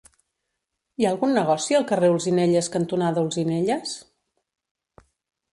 Hi ha algun negoci al carrer Olzinelles cantonada Olzinelles?